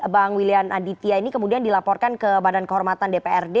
bang william aditya ini kemudian dilaporkan ke badan kehormatan dprd